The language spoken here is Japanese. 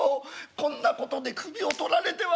こんなことで首を取られては。